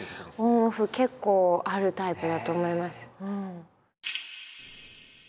結構あるタイプだと思います。